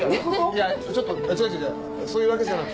いやちょっと違う違う違うそういうわけじゃなくて。